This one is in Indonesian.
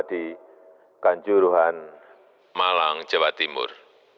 di kanjuruhan malang jawa timur